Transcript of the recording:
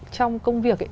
trong công việc ấy